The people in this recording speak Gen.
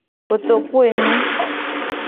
Kotokuenyi.